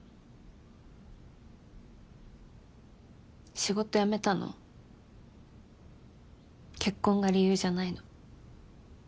仕事辞めたの結婚が理由じゃないの。